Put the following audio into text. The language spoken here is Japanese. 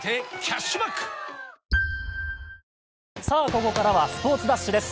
ここからはスポーツダッシュです。